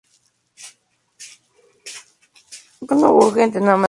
Los rebeldes fueron asediados y aislados de todo suministro.